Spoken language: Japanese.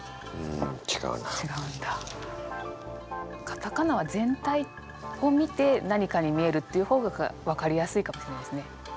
カタカナは全体を見て何かに見えるっていう方が分かりやすいかもしれないですね。